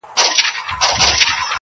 د جلادانو له تېغونو بیا د ګور تر کلي.